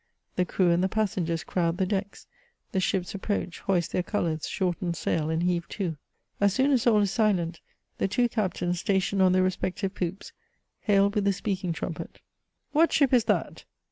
The crew and the passengers crowd the decks, the ships approach, hoist their colours, shorten sail, and heave to. As soon as all is silent, the two captains, stationed on their respective poops, hail with the speaking trumpet :" What ship is that